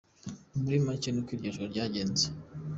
Muri make ni uko iryo joro ryagenze.